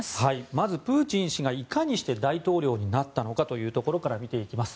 まずプーチン氏がいかにして大統領になったのかというところから見ていきます。